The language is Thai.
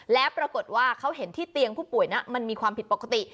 แล้วปรากฏว่าเขาเห็นที่เตียงผู้ป่วยนะมันมีความผิดปกติ